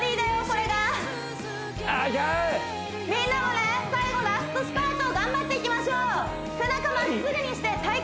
これがみんなもね最後ラストスパート頑張っていきましょう森脇さん